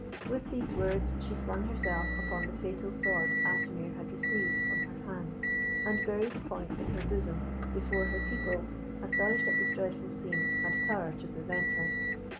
With these words she flung herself upon the fatal sword Atimir had received from her hands, and buried the point in her bosom before her people, astonished at this dreadful scene, had power to prevent her.